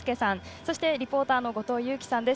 そしてリポーターの後藤佑季さんです。